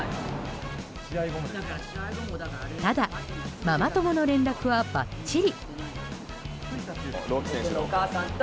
ただ、ママ友の連絡はバッチリ。